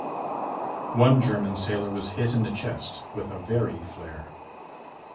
One German sailor was hit in the chest with a Very flare.